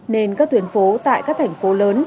nên các tuyến phố tại các thành phố lớn